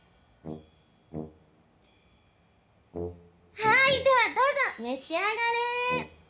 はいではどうぞ召し上がれ！